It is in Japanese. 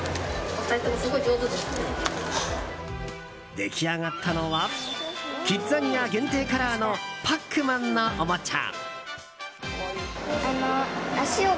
出来上がったのはキッザニア限定カラーのパックマンのおもちゃ。